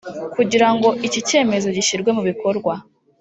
kugira ngo iki cyemezo gishyirwe mu bikorwa